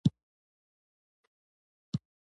د ترافیکو قوانین باید وپیژنو.